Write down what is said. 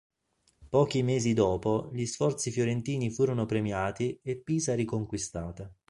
Pochi mesi dopo gli sforzi fiorentini furono premiati e Pisa riconquistata.